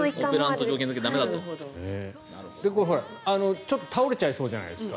ちょっと倒れちゃいそうじゃないですか。